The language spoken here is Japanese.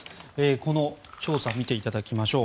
この調査を見ていただきましょう。